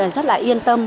rất là yên tâm